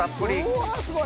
うわすごい。